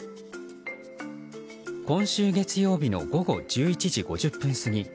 今週月曜日の午後１１時５０分過ぎ。